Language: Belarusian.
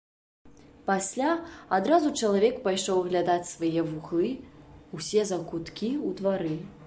Пасля адразу чалавек пайшоў аглядаць свае вуглы, усе закуткі ў двары.